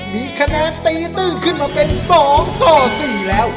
มีคะแนนตีตื้นขึ้นมาเป็น๒ต่อ๔แล้ว